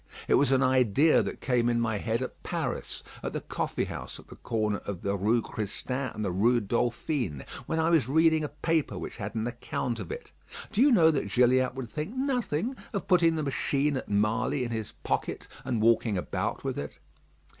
It was an idea that came in my head at Paris, at the coffee house at the corner of the Rue Christine and the Rue Dauphine, when I was reading a paper which had an account of it. Do you know that Gilliatt would think nothing of putting the machine at Marly in his pocket, and walking about with it?